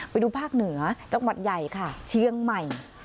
ไปดูภาคเหนือจังหวัดใหญ่ค่ะเชียงใหม่